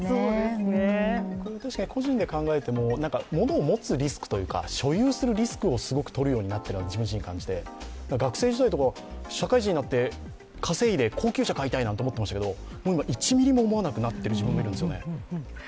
個人で考えても、物を持つリスクというか所有するリスクをすごくとるようになったなと自分自身感じて、学生時代とか、社会人になって稼いで高級車を買いたいと思っていましたが今、１ミリも思わなくなっている自分がいるんですよね。